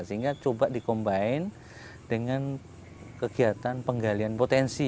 sehingga coba dikombain dengan kegiatan penggalian potensi